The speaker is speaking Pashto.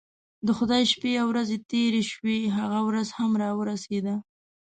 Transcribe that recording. د خدای شپې او ورځې تیرې شوې هغه ورځ هم راورسېده.